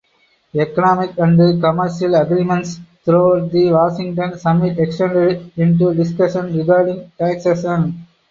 Economic and commercial agreements throughout the Washington Summit extended into discussion regarding taxation.